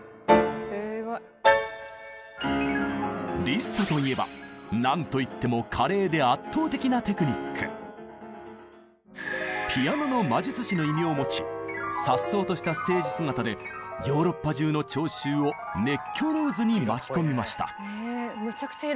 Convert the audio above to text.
リストといえばなんといっても「ピアノの魔術師」の異名を持ち颯爽としたステージ姿でヨーロッパ中の聴衆を熱狂の渦に巻き込みました。